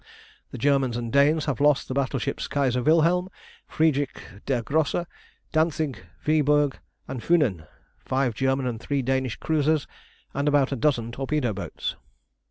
The Germans and Danes have lost the battleships Kaiser Wilhelm, Friedrich der Grosse, Dantzig, Viborg, and Funen, five German and three Danish cruisers, and about a dozen torpedo boats.